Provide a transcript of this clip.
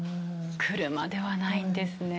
車ではないんですね。